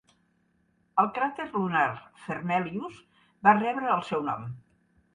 El cràter lunar Fernelius va rebre el seu nom.